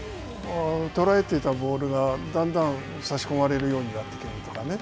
捉えていたボールがだんだん差し込まれるようになってきたりとかね。